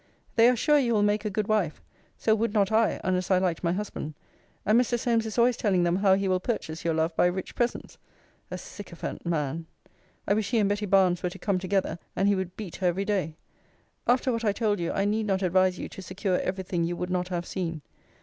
They are sure you will make a good wife. So would not I, unless I liked my husband. And Mr. Solmes is always telling them how he will purchase your love by rich presents. A syncophant man! I wish he and Betty Barnes were to come together; and he would beat her every day. After what I told you, I need not advise you to secure every thing you would not have seen.